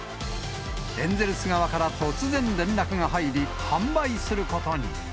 エンゼルス側から突然連絡が入り、販売することに。